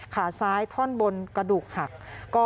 ขาซ้ายท่อนบนกระดูกหัก